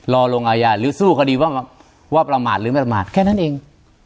รอลงอาญาหรือสู้คดีว่าประมาทหรือไม่ประมาทแค่นั้นเอง